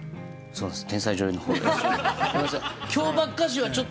そうですね。